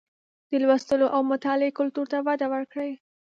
د لوستلو او مطالعې کلتور ته وده ورکړئ